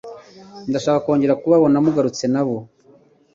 Ndashaka kongera kubabona mu garutse nabo.